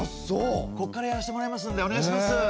こっからやらしてもらいますんでお願いします。